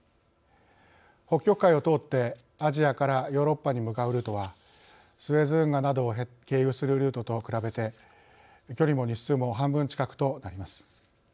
北極海を通ってアジアからヨーロッパに向かうルートはスエズ運河などを経由するルートと比べて距離も日数も半分近くとなります。